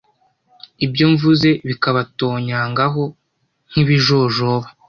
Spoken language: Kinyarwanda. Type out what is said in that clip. Ibyo mvuze bikabatonyangaho nkibijojoba